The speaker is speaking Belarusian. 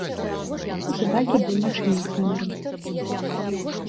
У сабакі быў нашыйнік з нумарам.